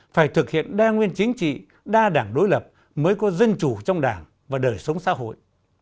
phải thực hiện đa nguyên chính trị đa đảng đối lập mới có dân chủ trong đảng và đời sống xã hội